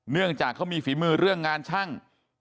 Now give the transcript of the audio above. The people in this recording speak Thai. เนื่องจากเขามีฝีมือเรื่องงานช่าง